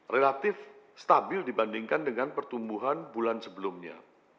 relatif stabil dibandingkan dengan pertumbuhan bulan sebelumnya